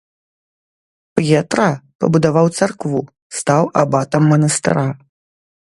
П'етра пабудаваў царкву, стаў абатам манастыра.